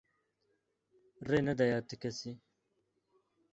Rê nedaye ti kesî.